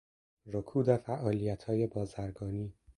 رکود فعالیتهای بازرگانی